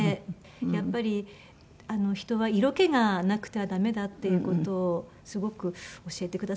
やっぱり人は色気がなくては駄目だっていう事をすごく教えてくださったのかな。